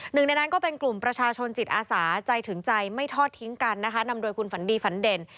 หนึ่งในนั้นก็เป็นกลุ่มประชาชนจิตอาสาใจถึงใจไม่ทอดทิ้งกันนะคะนำโดยคุณฝันดีฝันเด่น